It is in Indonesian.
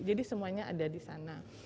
jadi semuanya ada di sana